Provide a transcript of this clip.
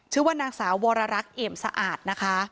ชื่อว่านางสาววรรักษ์เอี่ยมสะอาดนะคะ